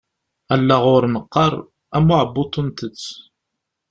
Allaɣ ur neqqar, am uεebbuḍ ur ntett.